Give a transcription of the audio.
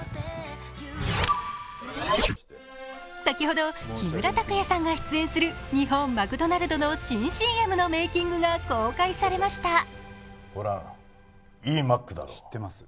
先ほど木村拓哉さんが出演する日本マクドナルドの新ＣＭのメイキングが公開されました。